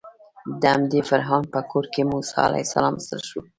د همدې فرعون په کور کې موسی علیه السلام ستر شو.